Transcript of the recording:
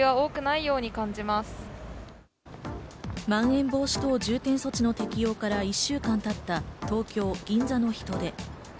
まん延防止等重点措置の適用から１週間経った東京・銀座の人出。